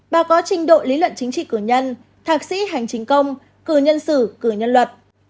báo cáo trình độ lý luận chính trị cử nhân thạc sĩ hành chính công cử nhân sử cử nhân luật